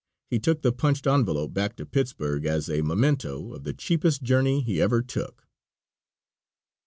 He took the punched envelope back to Pittsburg as a memento of the cheapest journey he ever took.